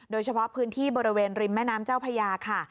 โดยเฉพาะพื้นที่บริเวณริมแม่น้ำเจ้าพญาค่ะ